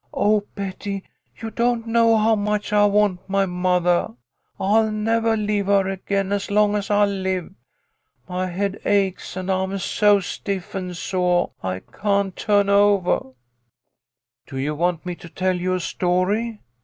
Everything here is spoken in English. Oh, Betty, you don't know how much I want my mothah ! I'll nevah leave her again as long as I live. My head aches, and I'm so stiff and soah I can't tu'n ovah !"" Do you want me to tell you a story